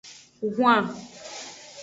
Hwan.